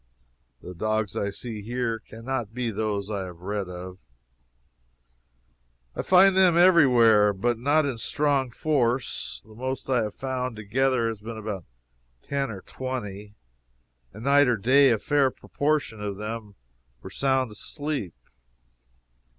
The dogs I see here can not be those I have read of. I find them every where, but not in strong force. The most I have found together has been about ten or twenty. And night or day a fair proportion of them were sound asleep.